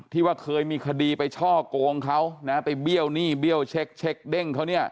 ว่าเคยมีคดีไปช่อกงเขานะไปเบี้ยวหนี้เบี้ยวเช็คเด้งเขาเนี่ย